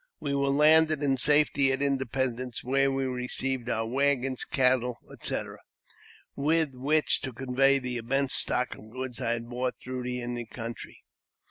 We were landed in safety at Independence, where we received our waggons, cattle, &c., with which to convey the immense stock of goods I had brought through the Indian country.